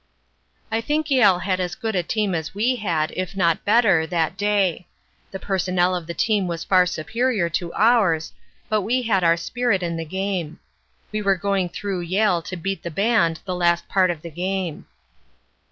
"I think Yale had as good a team as we had, if not better, that day. The personnel of the team was far superior to ours, but we had our spirit in the game. We were going through Yale to beat the band the last part of the game."